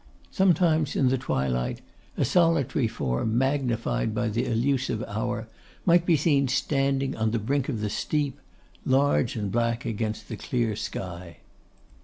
Sometimes in the twilight, a solitary form, magnified by the illusive hour, might be seen standing on the brink of the steep, large and black against the clear sky.